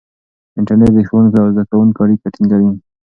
انټرنیټ د ښوونکي او زده کوونکي اړیکه ټینګوي.